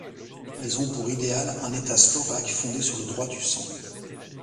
Ils ont pour idéal un État slovaque fondé sur le droit du sang.